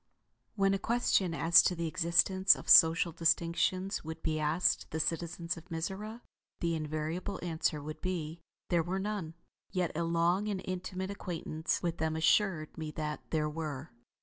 When a question as to the existence of social distinctions would be asked the citizens of Mizora, the invariable answer would be there were none; yet a long and intimate acquaintance with them assured me that there were.